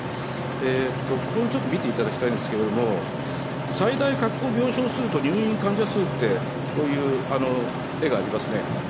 ここをちょっと見ていただきたいんですけれども、最大確保病床数と入院患者数ってこういう絵がありますね。